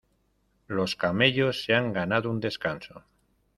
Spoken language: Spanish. Los camellos se han ganado un descanso.